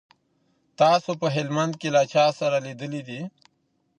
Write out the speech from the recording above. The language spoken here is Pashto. تاسو په هلمند کي له چا سره لیدلي دي؟